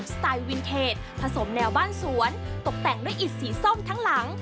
สไตล์วินเทจผสมแนวบ้านสวนตกแต่งด้วยอิดสีส้มทั้งหลัง